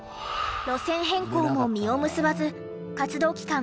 路線変更も実を結ばず活動期間